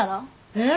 えっ？